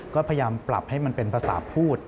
ก็พยายามปรับให้มันเป็นภาษาพูด